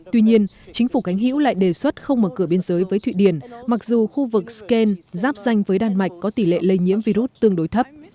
tuy nhiên chính phủ cánh hữu lại đề xuất không mở cửa biên giới với thụy điển mặc dù khu vực scan giáp danh với đan mạch có tỷ lệ lây nhiễm virus tương đối thấp